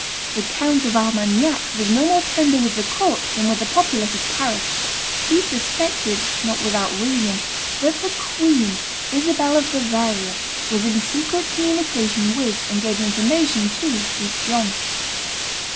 The Count of Armagnac was no more tender with the court than with the populace of Paris. He suspected, not without reason, that the queen, Isabel of Bavaria, was in secret communication with and gave information to Duke John.